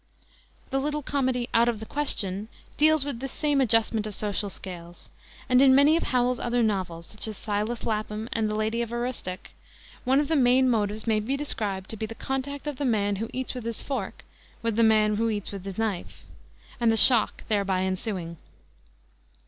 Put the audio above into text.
The little comedy, Out of the Question, deals with this same adjustment of social scales; and in many of Howells's other novels, such as Silas Lapham and the Lady of the Aroostook, one of the main motives may be described to be the contact of the man who eats with his fork with the man who eats with his knife, and the shock thereby ensuing.